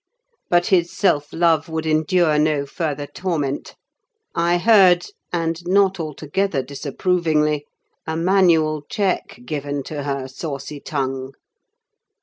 But his self love would endure no further torment: I heard, and not altogether disapprovingly, a manual check given to her saucy tongue.